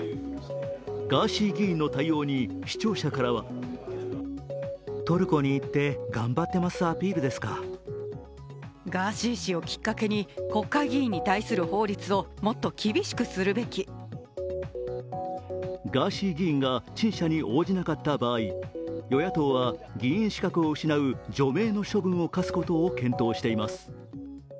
ガーシー議員の対応に視聴者からはガーシー議員が陳謝に応じなかった場合、与野党は議員資格を失う除名の処分を科すことを検討しています。